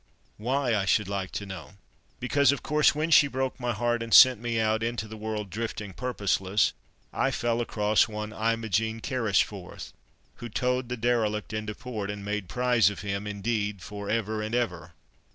"Why, I should like to know?" "Because, of course, when she broke my heart, and sent me out into the world drifting purposeless, I fell across one Imogen Carrisforth, who towed the derelict into port—made prize of him, indeed, for ever and ever."